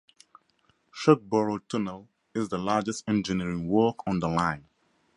Shugborough Tunnel is the largest engineering work on the line.